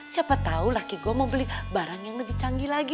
siapa tau laki gua mau beli barang yang lebih canggih lagi